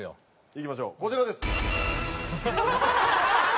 いきましょうこちらです。